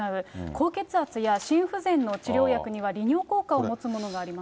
高血圧や心不全の治療薬には利尿効果を持つものがあります。